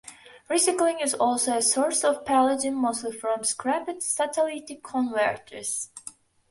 Recycling is also a source of palladium, mostly from scrapped catalytic converters.